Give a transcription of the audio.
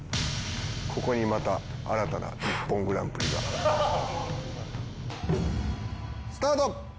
ここにまた新たな『ＩＰＰＯＮグランプリ』が。スタート！